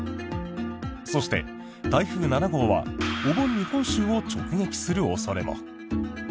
そして、台風７号はお盆に本州を直撃する恐れも。